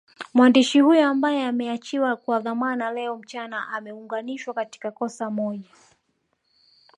Mwandishi huyo ambaye ameachiwa kwa dhamana leo mchana ameungwanishwa katika kosa moj